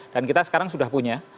dan kita sekarang sudah punya